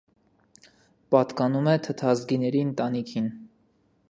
Պատկանում է թթազգիների ընտանիքին։